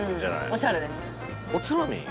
おしゃれですおつまみ